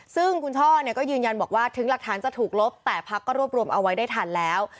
ซึ่งคุณช่อเนี่ยก็ยืนยันบอกว่าถึงหลักฐานจะถูกลบแต่พักก็รวบรวมเอาไว้ได้ทันแล้ว